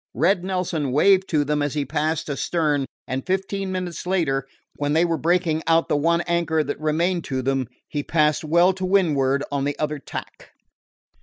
Red Nelson waved to them as he passed astern, and fifteen minutes later, when they were breaking out the one anchor that remained to them, he passed well to windward on the other tack.